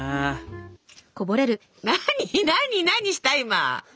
何何した今！